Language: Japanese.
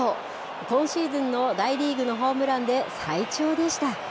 今シーズンの大リーグのホームランで最長でした。